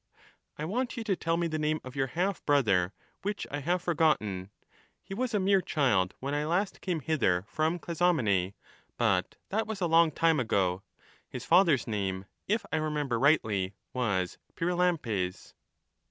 I want you to tell me the name of your half brother, which The re I have forgotten ; he was a mere child when I last came hither T*^i?L from Clazomenae, but that was a long time ago ; his father's menians. name, if I remember rightly, was P3ailampes